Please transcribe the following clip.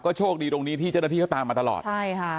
โชคดีตรงนี้ที่เจ้าหน้าที่เขาตามมาตลอดใช่ค่ะ